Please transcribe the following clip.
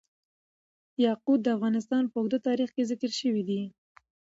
یاقوت د افغانستان په اوږده تاریخ کې ذکر شوی دی.